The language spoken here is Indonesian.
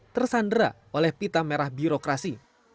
tersandera oleh pita merah birokrasi